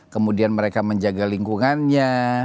kemudian mereka menjaga lingkungannya